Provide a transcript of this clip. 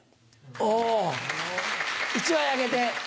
おぉ１枚あげて。